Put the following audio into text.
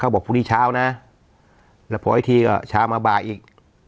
บอกพรุ่งนี้เช้านะแล้วพออีกทีก็เช้ามาบ่ายอีก